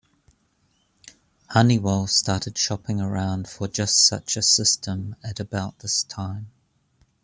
Honeywell started shopping around for just such a system at about this time.